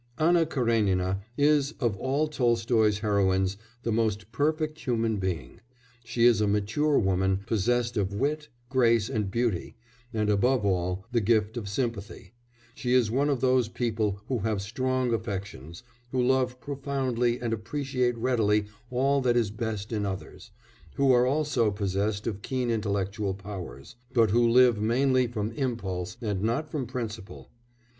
Anna Karénina, is, of all Tolstoy's heroines, the most perfect human being; she is a mature woman, possessed of wit, grace, and beauty, and above all, the gift of sympathy; she is one of those people who have strong affections, who love profoundly and appreciate readily all that is best in others, who are also possessed of keen intellectual powers, but who live mainly from impulse and not from principle.